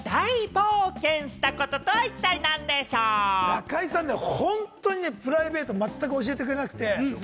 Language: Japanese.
中居さん、本当にね、プライベートまったく教えてくれなくて。